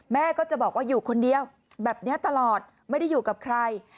แม่ก็จะบอกว่าอยู่คนเดียวแบบนี้ตลอดไม่ได้อยู่กับใคร